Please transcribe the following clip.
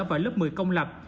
và lớp một mươi công lập